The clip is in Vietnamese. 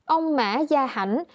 ông mã gia hảnh